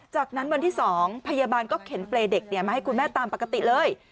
จากนั้นวันที่๒พยาบาลก็เข็นเปรย์เด็กมาให้คุณแม่ตามปกติเลย